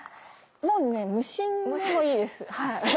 もうね無心でもいいです。